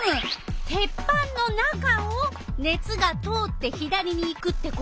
鉄板の中を熱が通って左に行くってことね。